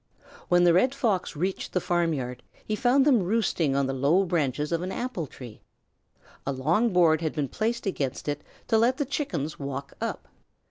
When the Red Fox reached the farmyard, he found them roosting on the low branches of an apple tree. A long board had been placed against it to let the Chickens walk up.